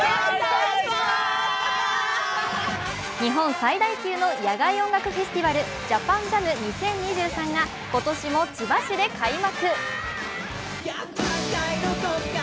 日本最大級の野外音楽フェスティバル、ＪＡＰＡＮＪＡＭ２０２３が今年も千葉市で開幕。